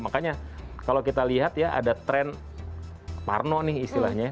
makanya kalau kita lihat ya ada tren parno nih istilahnya